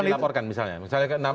bisa dilaporkan misalnya